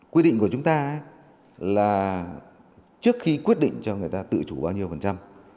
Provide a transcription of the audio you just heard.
quy định của chúng ta là trước khi quyết định cho người ta tự chủ bao nhiêu phần trăm